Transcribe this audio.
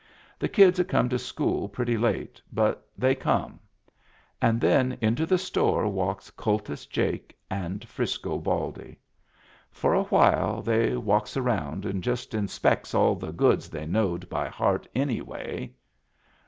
The kids had come to school pretty late, but they come. And then into the store walks Kultus Jake and Frisco Baldy. For a while they walks around and just inspects all the goods they knowed by heart anyway.